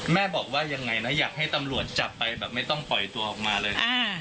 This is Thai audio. แม่บอกว่ายังไงนะอยากให้ตำรวจจับไปแบบไม่ต้องปล่อยตัวออกมาเลย